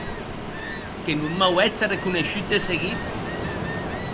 Que non m’auetz arreconeishut de seguit!